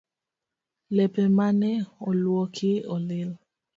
Lepe mane oluoki olil